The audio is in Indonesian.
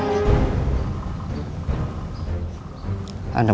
anda benar benar benar benar menanggar